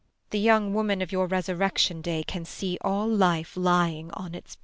] The young woman of your Resurrection Day can see all life lying on its bier.